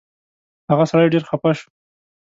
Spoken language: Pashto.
هغه سړی ډېر خفه شو.